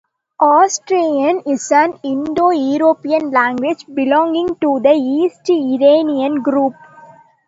Ossetian is an Indo-European language, belonging to the East Iranian group.